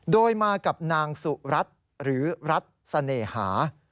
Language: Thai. โดยมากับนางสุรัตน์หรือรัฐเสน่หา